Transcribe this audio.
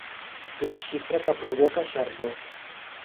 La xifra que provoca xardor.